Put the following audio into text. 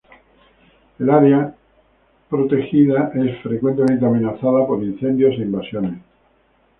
El área protegida es frecuentemente amenazada por incendios e invasiones.